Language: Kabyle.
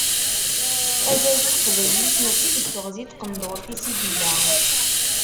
Azal n teqbaylit mačči deg teɣzi n tqendurt-is i yella.